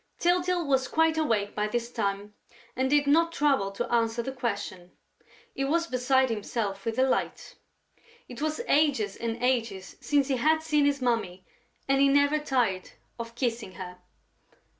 Tyltyl was quite awake by this time and did not trouble to answer the question. He was beside himself with delight! It was ages and ages since he had seen his Mummy and he never tired of kissing her.